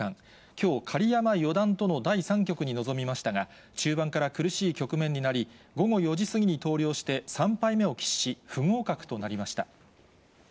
きょう、狩山四段との第３局に臨みましたが、中盤から苦しい局面になり、午後４時過ぎに投了して、３敗目を喫し、不合格となりました。